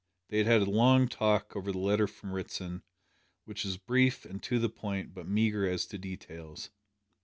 They had had a long talk over the letter from Ritson, which was brief and to the point but meagre as to details.